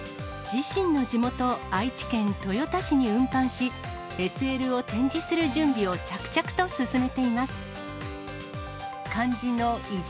自身の地元、愛知県豊田市に運搬し、ＳＬを展示する準備を着々と進めています。